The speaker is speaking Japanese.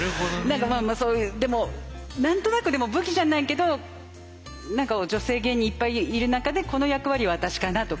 何かまあまあそういうでも何となくでも武器じゃないけど何か女性芸人いっぱいいる中でこの役割は私かな？とか。